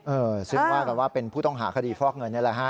เออซึ่งว่ากันว่าเป็นผู้ต้องหาคดีฟอกเงินนี่แหละฮะ